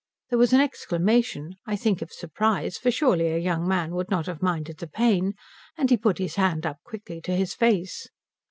There was an exclamation I think of surprise, for surely a young man would not have minded the pain? and he put his hand up quickly to his face.